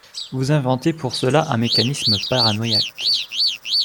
Vous inventez pour cela un mécanisme paranoïaque.